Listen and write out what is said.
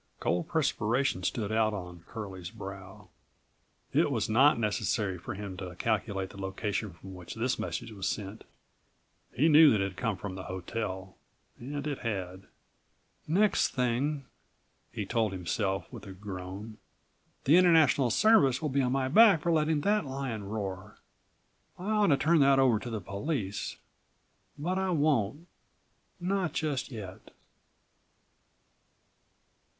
Cold perspiration stood out on Curlie's brow.54 It was not necessary for him to calculate the location from which this message was sent. He knew that it had come from the hotel. And it had. "Next thing," he told himself with a groan, "the International Service will be on my back for letting that lion roar. I ought to turn that over to the police; but I won't, not just yet."